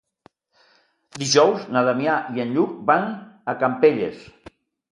Dijous na Damià i en Lluc van a Campelles.